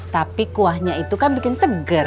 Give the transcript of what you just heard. tapi kuahnya itu kan bikin seger